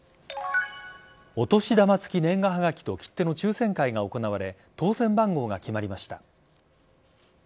お年玉付年賀はがきと切手の抽選会が行われ当選番号が決まりました。